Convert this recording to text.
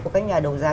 của các nhà đấu giá